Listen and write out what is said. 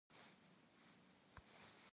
Têlêvizor ş'et?